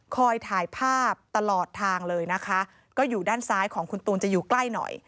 ถ่ายภาพตลอดทางเลยนะคะก็อยู่ด้านซ้ายของคุณตูนจะอยู่ใกล้หน่อย